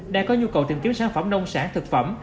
đã có nhu cầu tìm kiếm sản phẩm nông sản thực phẩm